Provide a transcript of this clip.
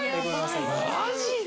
マジで！？